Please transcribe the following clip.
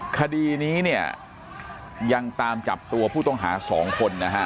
คดีนี้เนี่ยยังตามจับตัวผู้ต้องหา๒คนนะฮะ